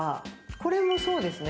これも、そうですね。